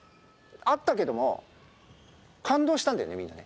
あったけども、感動したんだよね、みんなね。